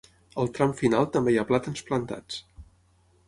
Al tram final també hi ha plàtans plantats.